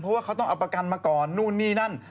เพราะว่าเขาต้องเอาประกันมาก่อนนู่นนี่นั่น